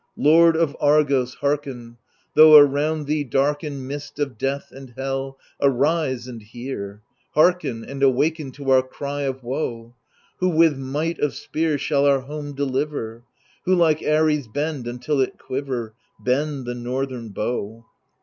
Lord of Argos, hearken 1 Though around thee darken Mist of death and hell, arise and hear I Hearken and awaken to our cry of woe ! Who with might of spear Shall our home deliver ? Who like Ares bend until it quiver, Bend the northern bow